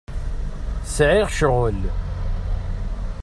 Sɛiɣ ccɣel.